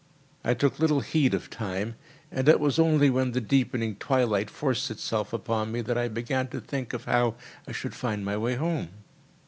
I took little heed of time and it was only when the deepening twilight forced itself upon me that I began to think of how I should find my way home.